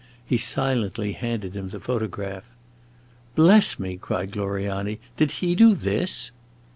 He silently handed him the photograph. "Bless me!" cried Gloriani, "did he do this?"